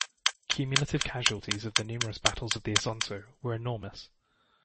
Cumulative casualties of the numerous battles of the Isonzo were enormous.